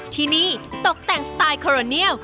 ที่นี่ตกแต่งสไตล์โคโรเนียล